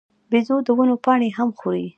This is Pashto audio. بیزو د ونو پاڼې هم خوري.